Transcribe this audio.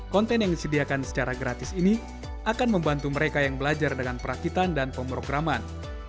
konten yang disediakan secara gratis ini akan membantu mereka yang belajar dengan perakitan dan pemrograman